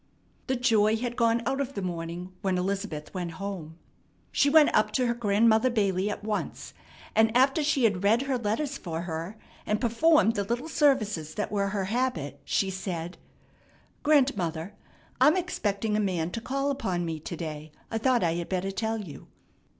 The joy had gone out of the morning when Elizabeth went home. She went up to her Grandmother Bailey at once, and after she had read her letters for her, and performed the little services that were her habit, she said: "Grandmother, I'm expecting a man to call upon me to day. I thought I had better tell you."